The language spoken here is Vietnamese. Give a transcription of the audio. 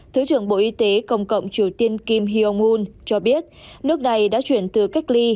thứ trưởng bộ y tế cộng cộng triều tiên kim hyong un cho biết nước này đã chuyển từ cách ly